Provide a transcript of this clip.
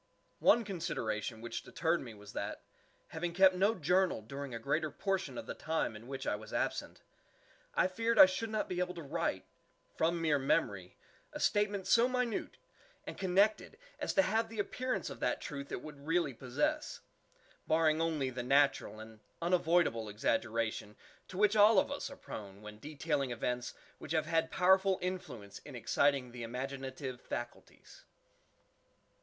One consideration which deterred me was that, having kept no journal during a greater portion of the time in which I was absent, I feared I should not be able to write, from mere memory, a statement so minute and connected as to have the _appearance_of that truth it would really possess, barring only the natural and unavoidable exaggeration to which all of us are prone when detailing events which have had powerful influence in exciting the imaginative faculties.